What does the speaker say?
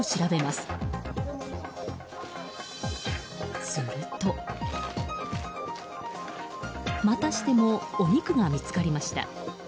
すると、またしてもお肉が見つかりました。